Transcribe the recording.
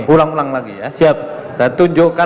ulang ulang lagi ya siap dan tunjukkan